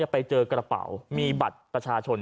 ไปเจอกระเป๋ามีบัตรประชาชน